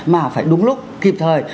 mà phải đúng lúc kịp thời